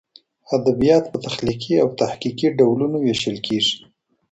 ادبیات په تخلیقي او تحقیقي ډولونو وېشل کېږي.